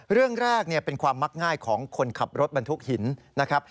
เรื่องแรกเป็นความมักง่ายของคนขับรถบรรทุกหินนะครับ